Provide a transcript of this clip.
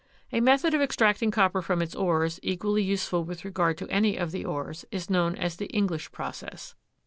A method of extracting copper from its ores, equally useful with regard to any of the ores, is known as the English process.